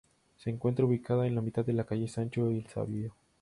Se encuentra ubicada en la mitad de la Calle Sancho el Sabio.